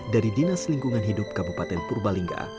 dari dinas lingkungan hidup kabupaten purbalingga